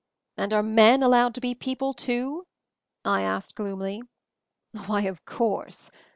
"And are men allowed to be people, too?" I asked gloomily. "Why, of course